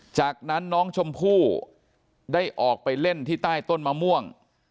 จากนั้นน้องชมพู่ได้ออกไปเล่นที่ใต้ต้นมะม่วง